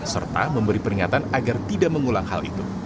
serta memberi peringatan agar tidak mengulang hal itu